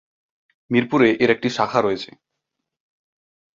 মিরপুরে এর একটি শাখা রয়েছে।